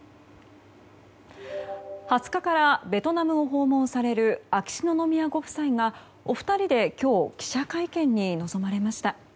２０日からベトナムを訪問される秋篠宮ご夫妻がお二人で、今日記者会見に臨まれました。